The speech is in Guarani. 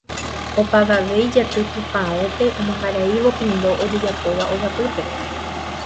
opavave ijaty tupãópe omongaraívo pindo ojejapóva ogapýpe